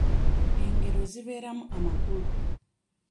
Engero zibeeramu amakulu.